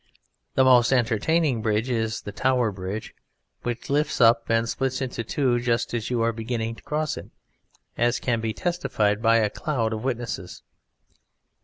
The most entertaining bridge is the Tower Bridge, which lifts up and splits into two just as you are beginning to cross it, as can be testified by a cloud of witnesses.